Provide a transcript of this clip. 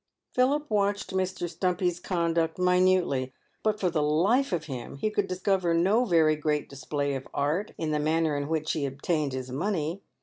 Philip watched Mr. Stumpy's conduct minutely, but, for the life of him, he could discover no very great display of art in the manner in which he obtained his money.